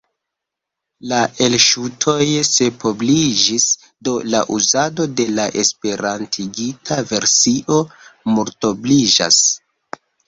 La elŝutoj sepobliĝis, do la uzado de la esperantigita versio multobliĝas.